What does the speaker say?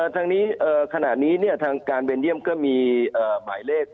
ทางนี้ขณะนี้ทางการเบลเยี่ยมก็มีหมายเลข